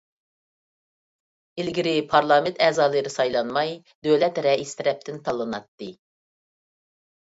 ئىلگىرى پارلامېنت ئەزالىرى سايلانماي، دۆلەت رەئىسى تەرەپتىن تاللىناتتى.